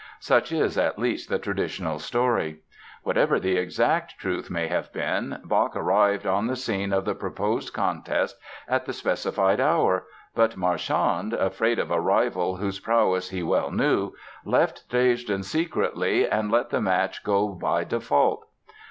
Such is, at least, the traditional story. Whatever the exact truth may have been, Bach arrived on the scene of the proposed contest at the specified hour but Marchand, afraid of a rival whose prowess he well knew, left Dresden secretly and let the match go by default.